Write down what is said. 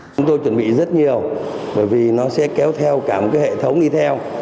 chúng tôi chuẩn bị rất nhiều bởi vì nó sẽ kéo theo cả một hệ thống đi theo